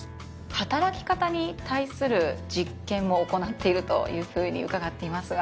働き方に対する実験も行っているというふうに伺っていますが。